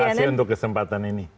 terima kasih untuk kesempatan ini